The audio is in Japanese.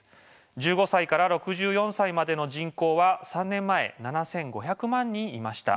１５歳から６４歳までの人口は３年前、７５００万人いました。